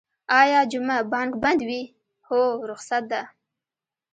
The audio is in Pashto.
ایا جمعه بانک بند وی؟ هو، رخصت ده